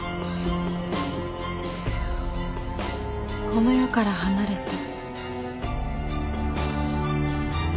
この世から離れて。